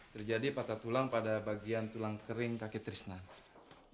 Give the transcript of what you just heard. terjadi patah tulang pada bagian tulang kering kaki trisna